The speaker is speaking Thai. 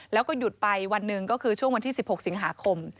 แล้วก็หยุดไปวันหนึ่งก็คือช่วงวันที่๑๖สิงหาคม